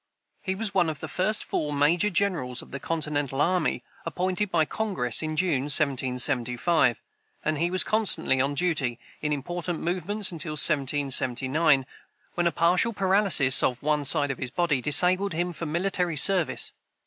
He was one of the first four major generals of the continental army appointed by Congress in June, 1775, and he was constantly on duty in important movements until 1779, when a partial paralysis of one side of his body disabled him for military service.